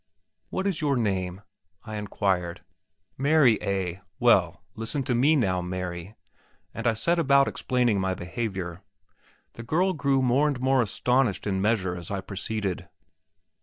"What is your name?" I inquired. "Mary, eh? Well, listen to me now, Mary!" and I set about explaining my behaviour. The girl grew more and more astonished in measure as I proceeded.